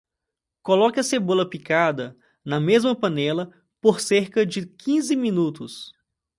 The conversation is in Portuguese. Coloque a cebola picada na mesma panela por cerca de quinze minutos.